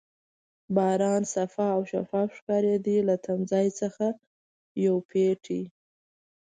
باران صاف او شفاف ښکارېده، له تمځای څخه یو پېټی.